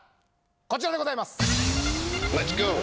こちらでございます